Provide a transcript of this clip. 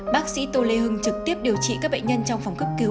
bác sĩ tô lê hưng trực tiếp điều trị các bệnh nhân trong phòng cấp cứu